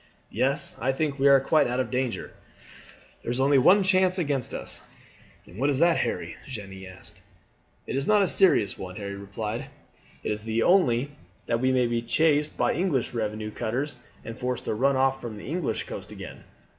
Yes, I think we are quite out of danger. There is only one chance against us." "And what is that, Harry?" Jeanne asked. "It is not a serious one," Harry replied; "it is only that we may be chased by English revenue cutters and forced to run off from the English coast again.